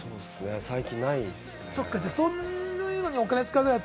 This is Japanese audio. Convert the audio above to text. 最近ないですね。